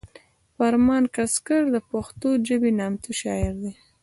فرمان کسکر د پښتو ژبې نامتو شاعر دی